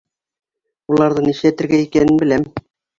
— Уларҙы нишләтергә икәнен беләм.